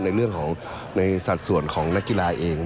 ในเรื่องของในสัดส่วนของนักกีฬาเอง